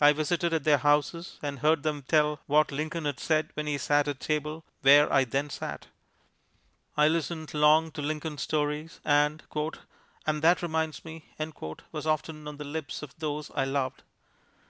I visited at their houses and heard them tell what Lincoln had said when he sat at table where I then sat. I listened long to Lincoln stories, and "and that reminds me" was often on the lips of those I loved.